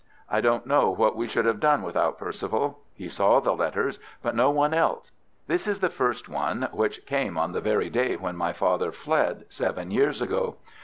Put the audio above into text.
I don't know what we should have done without Perceval. He saw the letters, but no one else. This is the first one, which came on the very day when my father fled, seven years ago.